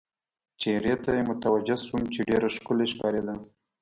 چېرې ته یې متوجه شوم، چې ډېره ښکلې ښکارېده.